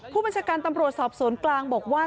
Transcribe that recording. ผู้บัญชาการตำรวจสอบสวนกลางบอกว่า